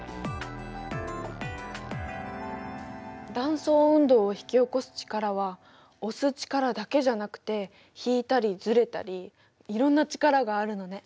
断層運動を引き起こす力は押す力だけじゃなくて引いたりずれたりいろんな力があるのね。